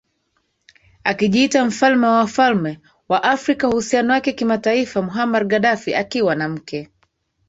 akijiita Mfalme wa Wafalme wa Afrika Uhusiano wake kimataifa Muammar Gaddafi akiwa na mke